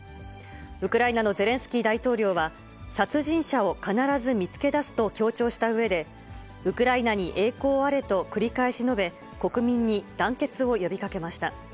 ウクライナのゼレンスキー大統領は、殺人者を必ず見つけ出すと強調したうえで、ウクライナに栄光あれと繰り返し述べ、国民に団結を呼びかけました。